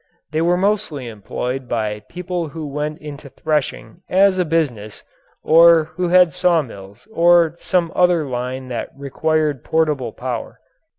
They were mostly employed by people who went into threshing as a business or who had sawmills or some other line that required portable power.